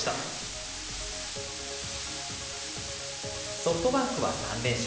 ソフトバンクは３連勝。